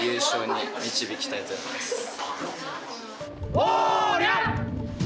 おりゃ。